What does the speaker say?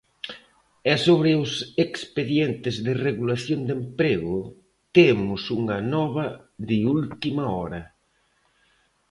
E sobre os expedientes de regulación de emprego temos unha nova de última hora.